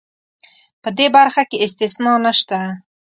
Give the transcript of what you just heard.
په دې برخه کې استثنا نشته.